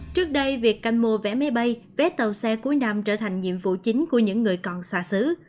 trước đây việc canh mua vé máy bay vé tàu xe cuối năm trở thành nhiệm vụ chính của những người còn xa xứ